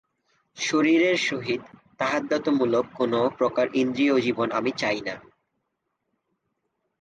শরীরের সহিত তাদাত্ম্যমূলক কোন প্রকার ইন্দ্রিয়-জীবন আমি চাই না।